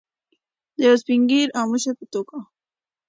د یو سپین ږیري او مشر په توګه.